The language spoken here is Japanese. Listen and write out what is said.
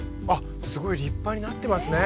すごい立派になってますね。